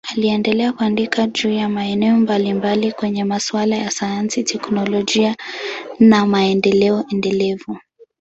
Aliendelea kuandika juu ya maeneo mbalimbali kwenye masuala ya sayansi, teknolojia na maendeleo endelevu.